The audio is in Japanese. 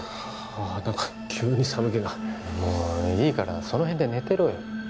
ああ何か急に寒気がもういいからその辺で寝てろよ